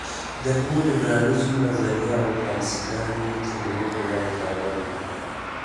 د نیولیبرالیزم نظریه او پالیسي ګانې تر نیوکو لاندې راغلي.